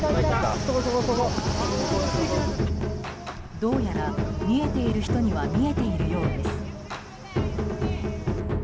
どうやら見えている人には見えているようです。